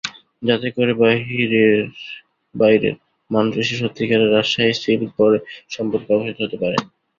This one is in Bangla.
যাতে করে বাইরের মানুষ এসে সত্যিকারের রাজশাহী সিল্ক সম্পর্কে অবহিত হতে পারে।